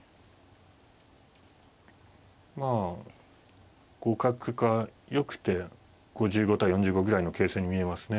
まあ互角かよくて５５対４５ぐらいの形勢に見えますね。